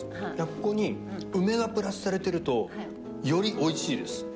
海海梅がプラスされてるとより美味しいです。